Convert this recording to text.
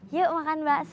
yuk makan bakso